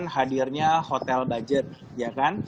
hadirnya hotel budget ya kan